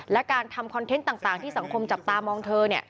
และการทำคอนเทนต์ต่างที่สังคมจับตามองเธอ